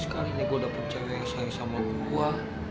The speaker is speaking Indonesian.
sekarang ini gue dapet cewek yang sayang sama gue